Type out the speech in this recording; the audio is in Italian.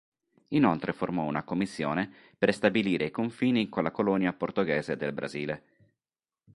Inoltre formò una commissione per stabilire i confini con la colonia portoghese del Brasile.